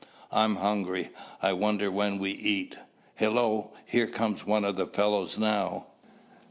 "I'm hungry. I wonder when we eat. Hello, here comes one of the fellows now."